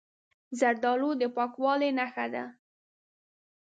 زردالو د پاکوالي نښه ده.